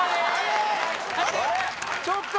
ちょっと！